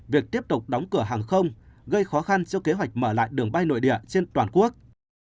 việc tiếp tục đóng cửa hàng không gây khó khăn cho kế hoạch mở lại đường bay nội địa trên toàn quốc